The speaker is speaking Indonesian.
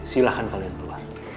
silahkan kalian keluar